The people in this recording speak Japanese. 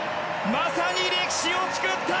まさに歴史を作った！